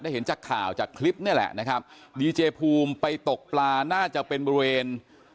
เห็นจากข่าวจากคลิปนี่แหละนะครับดีเจภูมิไปตกปลาน่าจะเป็นบริเวณ